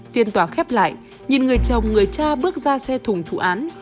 phiên tòa khép lại nhìn người chồng người cha bước ra xe thùng thụ án